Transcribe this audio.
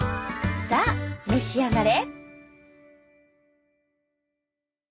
さあ召し上がれ